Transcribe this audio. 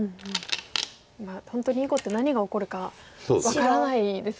本当に囲碁って何が起こるか分からないですもんね。